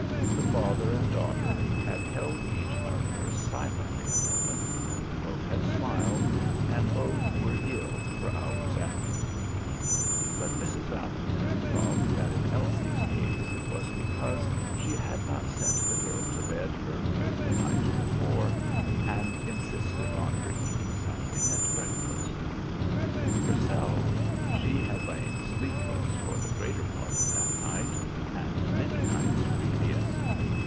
The father and daughter had held each other silently a moment; both had smiled, and both were ill for hours afterward. But Mrs. Valentin thought that in Elsie's case it was because she had not sent the girl to bed earlier the night before, and insisted on her eating something at breakfast. Herself she had lain sleepless for the greater part of that night and many nights previous.